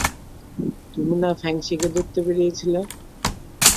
তুমি না ফেং-শিকে ধরতে বেরিয়েছিলে?